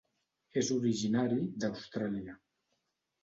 És originari d'Austràlia.